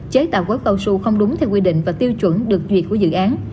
chế tạo gói cao sơ không đúng theo quy định và tiêu chuẩn được duyệt của dự án